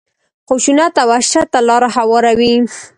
خشونت او وحشت ته لاره هواروي.